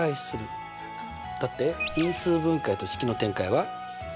だって因数分解と式の展開は？